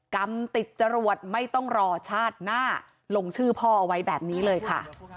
กรรมติดจรวดไม่ต้องรอชาติหน้าลงชื่อพ่อเอาไว้แบบนี้เลยค่ะ